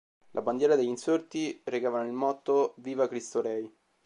Le bandiere degli insorti recavano il motto "¡Viva Cristo Rey!